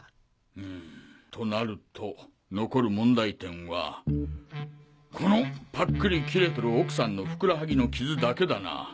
ふむとなると残る問題点はこのパックリ切れとる奥さんのふくらはぎの傷だけだな。